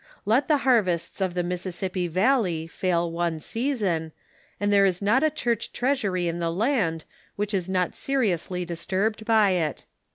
Let the harvests of the Missis sippi valley fail one season, and there is not a church treasury in the land which is not seriously disturbed by it.